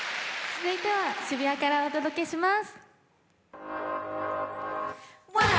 続いては渋谷からお届けします。